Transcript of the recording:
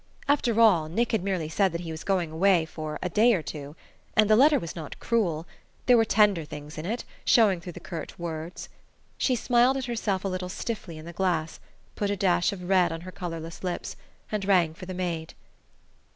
After all, Nick had merely said that he was going away for "a day or two." And the letter was not cruel: there were tender things in it, showing through the curt words. She smiled at herself a little stiffly in the glass, put a dash of red on her colourless lips, and rang for the maid.